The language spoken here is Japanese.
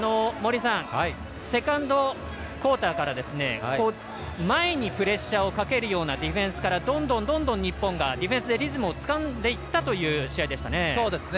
セカンドクオーターから前にプレッシャーをかけるようなディフェンスからどんどん日本がディフェンスでリズムをつかんでいったという試合でしたね。